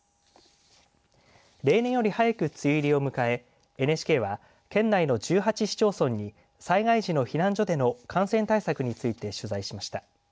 例年より早く梅雨入りを迎えＮＨＫは県内の１８市町村に災害時の避難所での感染対策について取材しました。